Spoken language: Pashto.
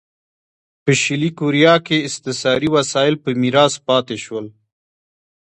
په شلي کوریا کې استثاري وسایل په میراث پاتې شول.